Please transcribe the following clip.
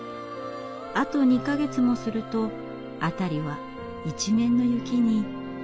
あと２か月もすると辺りは一面の雪に包まれます。